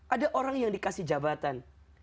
ada orang yang dikasih jabatan